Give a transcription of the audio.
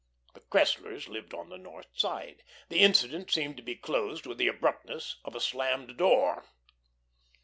The Cresslers lived on the North Side. The incident seemed to be closed with the abruptness of a slammed door.